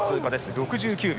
６９秒。